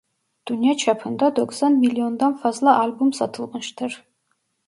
Dünya çapında doksan milyondan fazla albüm satılmıştır.